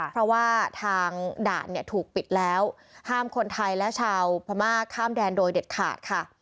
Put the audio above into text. เพราะว่าทางด่านเนี่ยถูกปิดแล้วห้ามคนไทยและชาวพม่าข้ามแดนโดยเด็ดขาดค่ะ